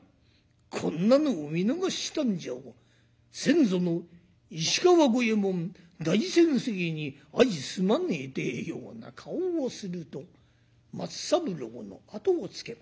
こんなのを見逃したんじゃ先祖の石川五右衛門大先生に相すまねえてえような顔をすると松三郎の後をつけました。